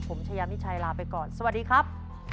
ผมชายามิชัยลาไปก่อนสวัสดีครับ